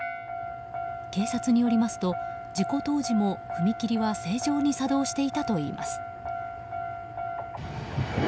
警察によりますと、事故当時も踏切は正常に作動していたといいます。